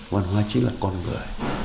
văn hóa chính là con người